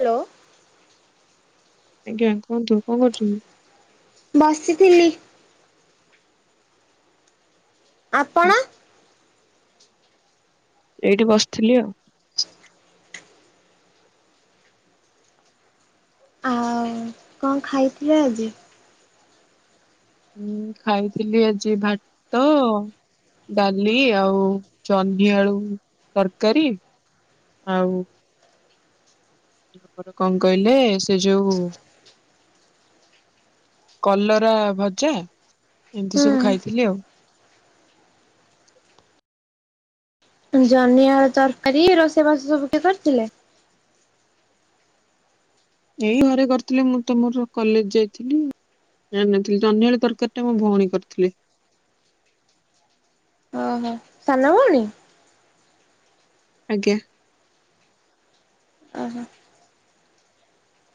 Hello. ଆଜ୍ଞା କୁହନ୍ତୁ, କଣ କରୁଛନ୍ତି? ବସିଥିଲି। ଆପଣ? ଏଇଠି ବସିଥିଲି ଆଉ। ଆଉ କଣ ଖାଇଥିଲେ ଆଜି? ମୁଁ ଖାଇଥିଲି ଆଜି ଭାତ ତ ଡାଲି ଆଉ ଜହ୍ନି ଆଳୁ ତରକାରୀ ଆଉ ତାପରେ କଣ କହିଲେ ସେ ଯୋଉ କଲରା ଭଜା, ଏମତି ସବୁ ହୁଁ ଖାଇଥିଲି ଆଉ। ଜହ୍ନି ଆଳୁ ତରକାରୀ, ରୋଷେଇବାସ ସବୁ କିଏ କରିଥିଲେ? ଏଇ ଘରେ କରିଥିଲେ। ମୁଁ ତ ମୋର କଲେଜ ଯାଇଥିଲି ଜାଣିନଥିଲି। ଜହ୍ନି ଆଳୁ ତରକାରୀଟା ମୋ ଭଉଣୀ କରିଥିଲେ। ଓହୋ। ସାନ ଭଉଣୀ? ଆଜ୍ଞା। ଓହୋ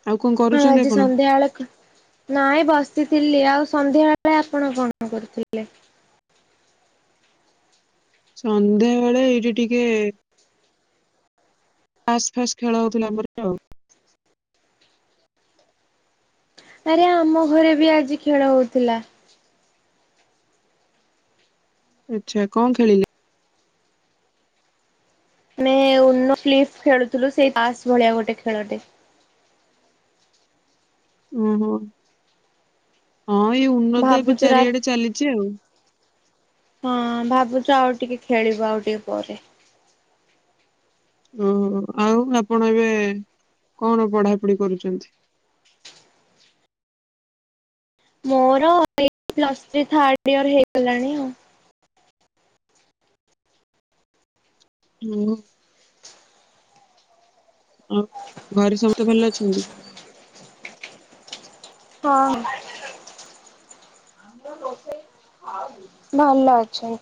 ଆଉ କଣ ହଁ କରୁଛନ୍ତି ଆଜି ଆପଣ? ସନ୍ଧ୍ୟା ଆଳକୁ ନାଇଁ ବସିଥିଲି। ଆଉ ସନ୍ଧ୍ୟାବେଳେ ଆପଣ କଣ କରୁଥିଲେ? ସନ୍ଧ୍ୟାବେଳେ ଏଇଠି ଟିକେ ତାସ୍ ଫାସ ଖେଳ ହଉଥିଲା ଆମରି ଆଉ। ଆରେ ଆମ ଘରେ ବି ଆଜି ଖେଳ ହଉଥିଲା। ଆଚ୍ଛା। କଣ ଖେଳିଲେ? ମାନେ [unintelligible] ଖେଳୁଥିଲୁ, ସେଇ ତାସ ଭଳିଆ ଗୋଟେ ଖେଳଟେ। ଓହୋ। ହଁ ଏଇ ଉନତ ଏବେ ଭାବୁଛୁ ରା ଚାରିଆଡେ ଚାଲିଛି ଆଉ। ହଁ ଭାବୁଛୁ ଆଉ ଟିକେ ଖେଳିବୁ ଆଉ ଟିକେ ପରେ। ଓହୋ। ଆଉ ଆପଣ ଏବେ କଣ ପଢାପଢି କରୁଚନ୍ତି? ମୋର ଏଇ ପ୍ଲସ୍ ଥ୍ରୀ ଥାର୍ଡିଅର ହେଇଗଲାଣି ଆଉ। ମୋ ଆଉ ଘରେ ସମସ୍ତେ ଭଲ ଅଛନ୍ତି? ହଁ। ଭଲ ଅଛନ୍ତି।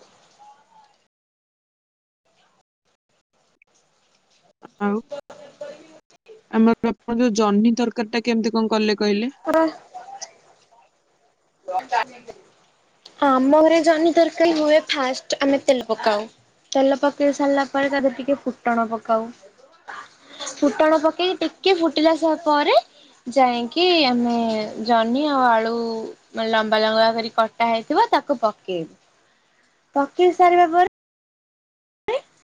ଆଉ ଆମର ତ ଆପଣ ଯୋଉ ଜହ୍ନି ତରକାରୀଟା କେମତି କଣ କଲେ କହିଲେ? [unintelligible] ଆମ ଘରେ ଜହନି ତରକାରୀ ହୁଏ ଫାଷ୍ଟ ଆମେ ତେଲ ପକାଉ। ତେଲ ପକେଇ ସାରିଲା ପରେ ତା ଦେହ ରେ ଟିକେ ଫୁଟଣ ପକାଉ। ଫୁଟଣ ପକେଇକି ଟିକେ ଫୁଟିଲା ସ ପରେ ଯାଇକି ଆମେ ଜହ୍ନି ଆଉ ଆଳୁ ମେ ଲମ୍ବା ଲମ୍ବା କରି କଟା ହେଇଥିବ ତାକୁ ପକେଇବୁ ପକେଇ ସାରିବା ପରେ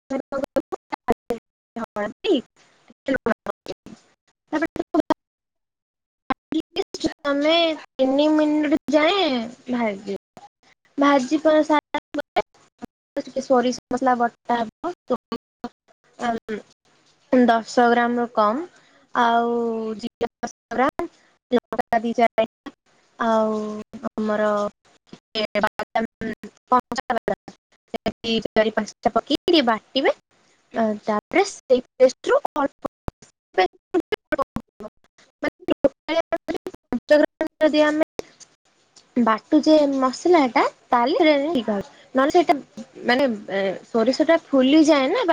[unintelligible] [unintelligible] ଏଟଲିଷ୍ଟ ତମେ ତିନି ମିନିଟ ଯାଇ ଭାଇ ଭାଜି ରୋଇସ୍ ତେଲ ମସଲା [unintelligible] [unintelligible] ଦଶ ଗ୍ରାମ ରୁ କମ୍ ଆଉ ଚିକେନ ମସଲା ଲଙ୍କା ଦି ଚାରିଟା [unintelligible] ଆଉ ଆମର [unintelligible] [unintelligible] ଚାରି ପାଞ୍ଚଟା ପକେଇକି ଟ ବାଟିବେ ତାପରେ ସେଇ [unintelligible] ପେଷ୍ଟ [unintelligible] [unintelligible] ଯଦି ଆମେ ବାଟୁ ଯେ ମସଲାଟା ତାହେଲେ ସେଟା ଠିକ ହବ ନହେଲେ ସେଇଟା ମାନେ ସୋରିଷଟା ଫୁଲିଯାଏ ନା ବା